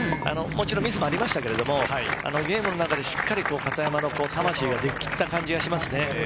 ミスもありましたけれど、ゲームの中でしっかりと片山の魂が出きった感じがします。